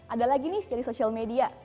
ada lagi nih dari social media